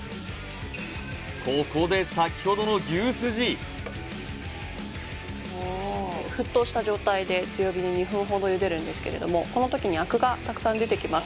ここで先ほどの牛すじ沸騰した状態で強火で２分ほど茹でるんですけれどもこの時に灰汁がたくさん出てきます